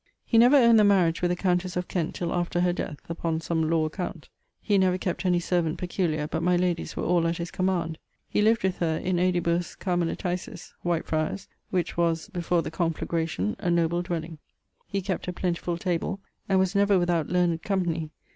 He never owned the mariage with the countesse of Kent till after her death, upon some lawe account. He never kept any servant peculiar, but my ladie's were all at his command; he lived with her in Aedibus Carmeliticis (White Fryers), which was, before the conflagration, a noble dwelling. He kept a plentifull table, and was never without learned company.